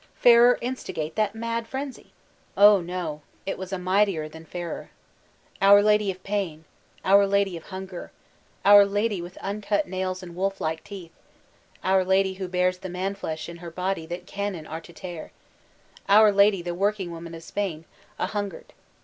FkANCiflco Fcftui 319 Ferrer instigate that mad frenzyl Oh, no; it was a migfatter than Ferrerl "Our Lady of Pain*' — Our Lady of Hunger— Our Lady with uncut nails and wolf like teeth — Our Lady who bears the Man flesh in her body that cannon are to tear — Our Lady the Workingwoman of Spain, ahungered.